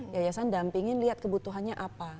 yayasan dampingin lihat kebutuhannya apa